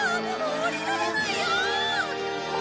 下りられないよ！